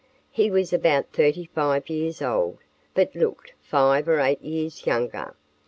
He was about thirty five years old, but looked five or eight years younger.